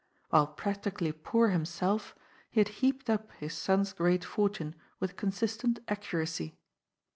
While practically poor himself, he had heaped up his son's great fortune with consistent accuracy.